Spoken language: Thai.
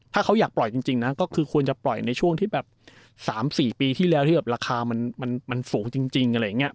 ถ้าเขาอยากปล่อยจริงจริงนะก็คือควรจะปล่อยในช่วงที่แบบสามสี่ปีที่แล้วที่แบบราคามันมันมันสูงจริงจริงอะไรอย่างเงี้ย